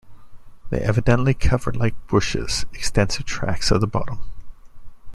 They evidently cover like bushes extensive tracts of the bottom.